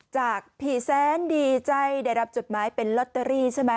จากพี่แสนดีใจได้รับจดหมายเป็นลอตเตอรี่ใช่ไหม